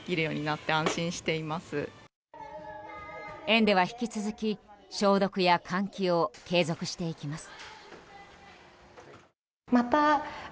園では引き続き消毒や換気を継続していきます。